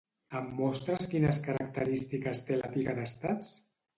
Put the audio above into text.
Em mostres quines característiques té la Pica d'Estats?